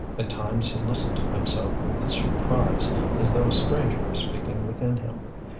At times he listened to himself with surprise as though a stranger were speaking within him.